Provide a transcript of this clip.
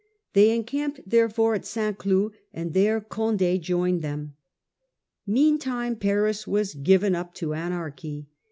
They encamped therefore at St. Cloud, and there Conde joined them. Meantime Paris was given up to anarchy.